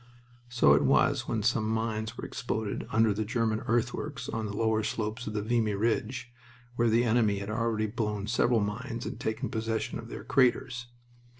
So it was when some mines were exploded under the German earthworks on the lower slopes of the Vimy Ridge, where the enemy had already blown several mines and taken possession of their craters.